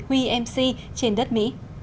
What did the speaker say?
huy mc trên đất mỹ